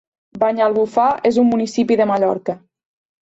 Banyalbufar és un municipi de Mallorca.